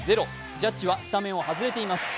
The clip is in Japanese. ジャッジはスタメンを外れています。